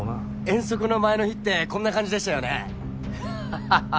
遠足の前の日ってこんな感じでしたよねはははっ。